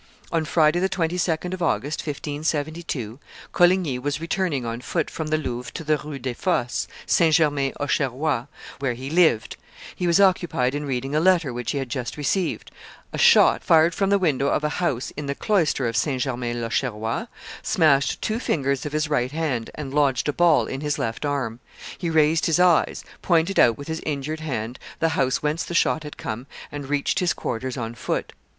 On Friday, the 22d of August, 1572, Coligny was returning on foot from the Louvre to the Rue des Fosses St. Germain l'Auxerrois, where he lived; he was occupied in reading a letter which he had just received; a shot, fired from the window of a house in the cloister of St. Germain l'Auxerrois, smashed two fingers of his right hand and lodged a ball in his left arm; he raised his eyes, pointed out with his injured hand the house whence the shot had come, and reached his quarters on foot.